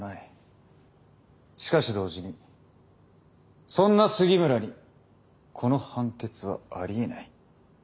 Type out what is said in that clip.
しかし同時にそんな杉村にこの判決はありえない。